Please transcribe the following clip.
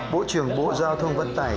bộ trưởng bộ giao thông vận tải